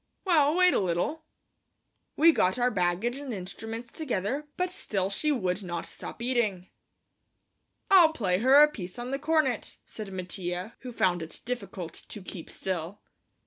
"Well, wait a little." We got our baggage and instruments together, but still she would not stop eating. "I'll play her a piece on the cornet," said Mattia, who found it difficult to keep still.